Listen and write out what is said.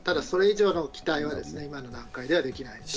それ以上の期待は今の段階ではできない。